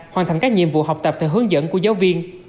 hoàn thành các nhiệm vụ học tập theo hướng dẫn của giáo viên